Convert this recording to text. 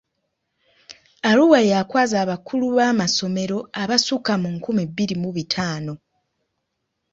Arua ya kwaza abakulu b'amasomero abasukka mu nkumi bbiri mu bitaano.